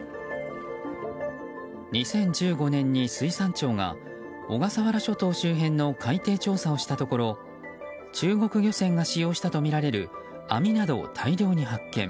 ２０１５年に水産庁が小笠原諸島周辺の海底調査をしたところ中国漁船が使用したとみられる網などを大量に発見。